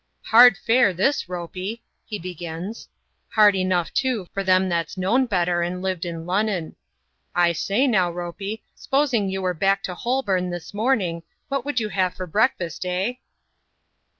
" Hard fare this, Ropey," he begins ;" hard enough, too, for them that's known better and lived in Lun'nun. I say now, Ropey, s'posing you were back to Holborn this morning, what would you have for breakfast, eh